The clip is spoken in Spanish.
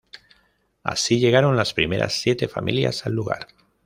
Así llegaron las primeras siete familias al lugar.